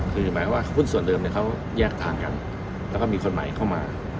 คือหมายว่าหุ้นส่วนเดิมเขาแยกทางกันแล้วก็มีคนใหม่เข้ามา